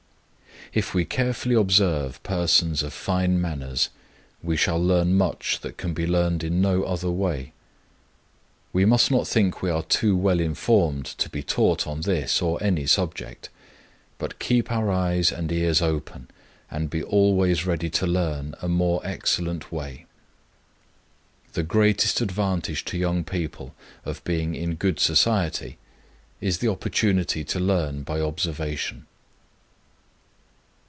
If we carefully observe persons of fine manners, we shall learn much that can be learned in no other way. We must not think we are too well informed to be taught on this or any subject, but keep our eyes and ears open, and be always ready to learn a "more excellent way." The greatest advantage to young people of being in good society is the opportunity to learn by observation.